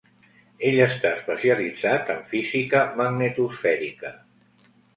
Ell està especialitzat en física magnetosfèrica.